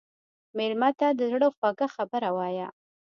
مېلمه ته د زړه خوږه خبره وایه.